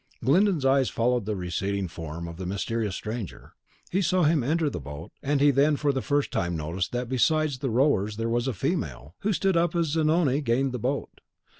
Glyndon's eyes followed the receding form of the mysterious stranger. He saw him enter the boat, and he then for the first time noticed that besides the rowers there was a female, who stood up as Zanoni gained the boat.